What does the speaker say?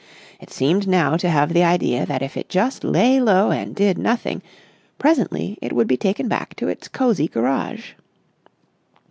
It seemed now to have the idea that if it just lay low and did nothing, presently it would be taken back to its cosy garage.